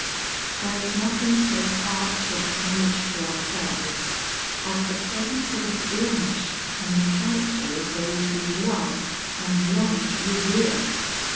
There is nothing so hard to acknowledge to ourselves as the presence of a blemish in the character of those we love and long to revere.